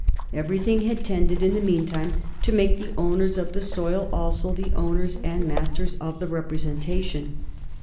Everything had tended, in the mean time, to make the owners of the soil also the owners and masters of the representation.